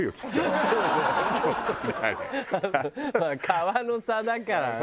皮の差だからな。